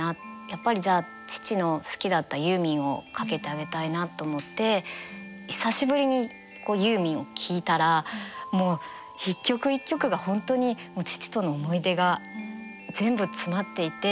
やっぱりじゃあ父の好きだったユーミンをかけてあげたいなと思って久しぶりにユーミンを聴いたらもう一曲一曲が本当に父との思い出が全部詰まっていて。